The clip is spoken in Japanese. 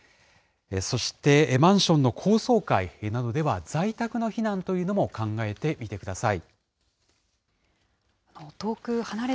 そして、マンションの高層階などでは、在宅の避難というのも考えてみてください。